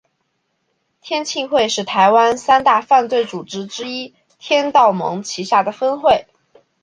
天庆会是台湾三大犯罪组织之一天道盟旗下分会。